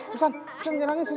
susan susan jangan nangis